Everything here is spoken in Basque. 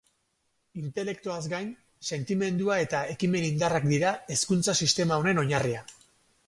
Intelektoaz gain, sentimendua eta ekimen indarrak dira hezkuntza sistema honen oinarria.